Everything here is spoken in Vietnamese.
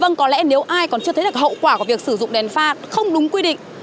vâng có lẽ nếu ai còn chưa thấy được hậu quả của việc sử dụng đèn pha không đúng quy định